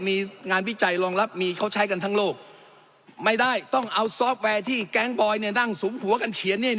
มีงานวิจัยรองรับมีเขาใช้กันทั้งโลกไม่ได้ต้องเอาซอฟต์แวร์ที่แก๊งบอยเนี่ยนั่งสุมหัวกันเขียนเนี่ย